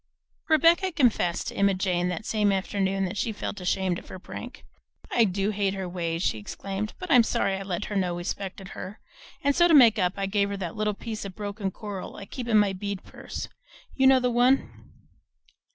Rebecca confessed to Emma Jane that same afternoon that she felt ashamed of her prank. "I do hate her ways," she exclaimed, "but I'm sorry I let her know we 'spected her; and so to make up, I gave her that little piece of broken coral I keep in my bead purse; you know the one?"